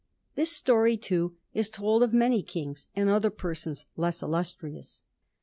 This story, too, is told of many kings and other persons less illustrious.